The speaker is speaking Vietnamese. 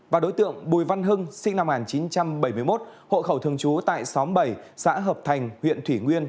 và đối tượng bùi văn hưng sinh năm một nghìn chín trăm bảy mươi một hộ khẩu thường trú tại xóm bảy xã hợp thành huyện thủy nguyên